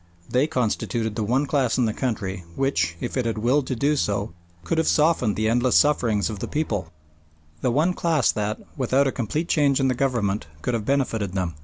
They constituted the one class in the country which, if it had willed to do so, could have softened the endless sufferings of the people the one class that, without a complete change in the government, could have benefited them.